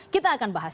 kita akan bahas